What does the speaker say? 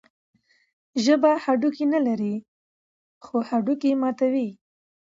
ژبه هډوکي نلري، خو هډوکي ماتوي.